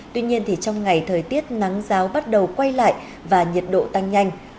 tuy nhiên trong ngày thời tiết nắng giáo bắt đầu quay lại và nhiệt độ tăng nhanh